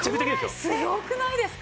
これすごくないですか？